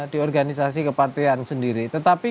di organisasi kepartian sendiri tetapi